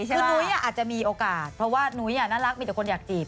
คือนุ้ยอาจจะมีโอกาสเพราะว่านุ้ยน่ารักมีแต่คนอยากจีบ